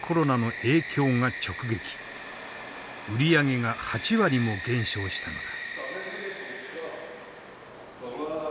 売り上げが８割も減少したのだ。